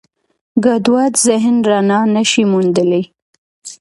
ګډوډ ذهن رڼا نهشي موندلی.